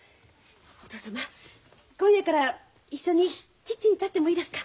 お義父様今夜から一緒にキッチンに立ってもいいですか？